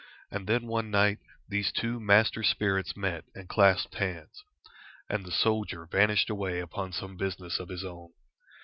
And then one night these two master spirits met and clasped hands, and the soldier vanished away upon some business of his own.